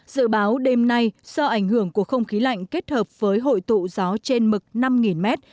dự báo đêm nay do ảnh hưởng của không khí lạnh kết hợp với hội tụ gió trên mực năm m